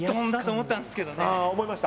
思いました？